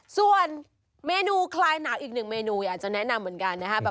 ส่วนเมนูคลายหนาวอีกหนึ่งเมนูอยากจะแนะนำเหมือนกันนะครับ